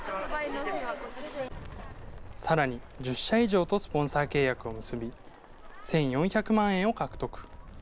さらに、１０社以上とスポンサー契約を結び、１４００万円を獲得。